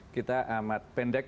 kita amat pendek